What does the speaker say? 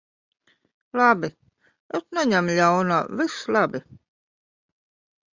Labi. Es neņemu ļaunā. Viss labi.